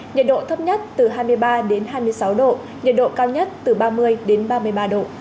nhiệt độ thấp nhất từ hai mươi ba đến hai mươi sáu độ nhiệt độ cao nhất từ ba mươi đến ba mươi ba độ